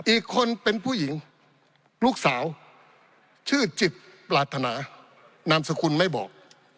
อีกคนเป็นผู้หญิงลูกสาวชื่อจิตปรารถนานามสกุลไม่บอก